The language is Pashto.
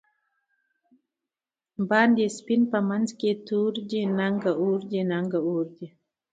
باندی سپین په منځ کی تور دی، نګه اوردی؛ نګه اوردی